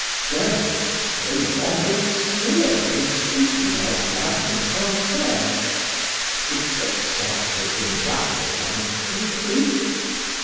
Journalists no longer sneered in speaking of "La Vie Francaise;" its success had been rapid and complete.